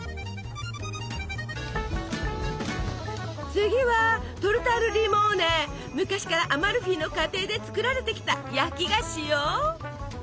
次は昔からアマルフィの家庭で作られてきた焼き菓子よ！